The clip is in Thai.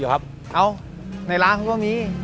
ไหนร้านเค้าก็มีอ่ะ